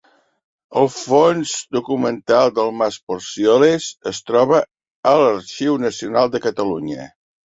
El fons documental del mas Porcioles es troba a l'Arxiu Nacional de Catalunya.